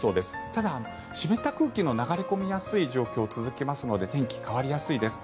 ただ、湿った空気の流れ込みやすい状況が続きますので天気、変わりやすいです。